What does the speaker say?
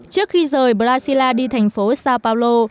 trước khi rời brazil đi thành phố sao paulo